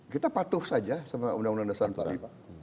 kita patuh saja sama undang undang dasar tadi